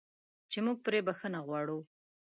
چې موږ پرې بخښنه غواړو.